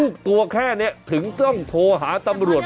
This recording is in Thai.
ตัวแค่นี้ถึงต้องโทรหาตำรวจ